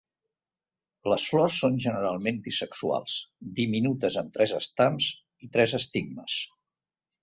Les flors són generalment bisexuals, diminutes amb tres estams i tres estigmes.